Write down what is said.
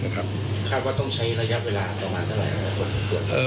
คาดว่าต้องใช้ระยะเวลาต่อมาเท่าไร